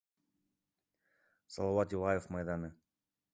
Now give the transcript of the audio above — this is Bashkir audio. Салауат Юлаев майҙаны